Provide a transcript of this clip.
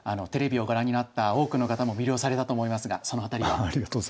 テレビをご覧になった多くの方も魅了されたと思いますがその辺りは。